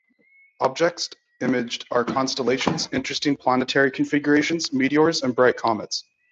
Objects imaged are constellations, interesting planetary configurations, meteors, and bright comets.